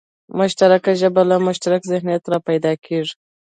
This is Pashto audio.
مشترکه ژبه له مشترک ذهنیت راپیدا کېږي